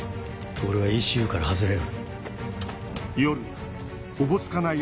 透はＥＣＵから外れる。